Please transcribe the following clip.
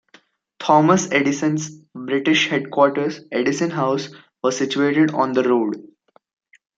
Thomas Edison's British headquarters, Edison House, was situated on the road.